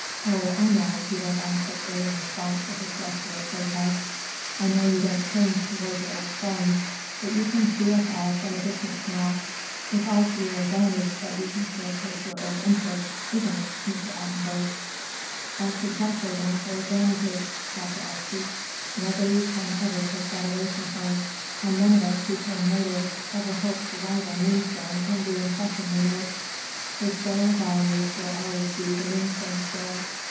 "Oh, I know," he went on quickly in response to her gesture of protest,—"I know you don't change toward your old friends, but you can see us all from a distance now. It's all to your advantage that you can still take your old interest, isn't it, Mr. Ottenburg?" "That's exactly one of her advantages, Dr. Archie. Nobody can ever take that away from her, and none of us who came later can ever hope to rival Moonstone in the impression we make. Her scale of values will always be the Moonstone scale.